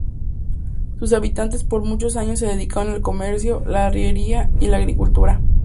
Sus habitantes por muchos años se dedicaron al comercio, la arriería y la agricultura.